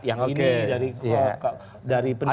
yang ini dari pendidikan